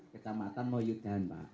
kecamatan moyudan pak